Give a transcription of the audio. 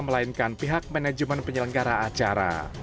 melainkan pihak manajemen penyelenggara acara